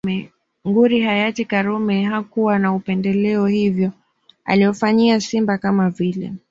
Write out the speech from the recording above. Nguri hayati karume hakuwa na upendeleo hivyo aliwafanyia simba kama vile